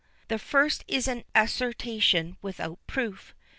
The first is an assertion without proof.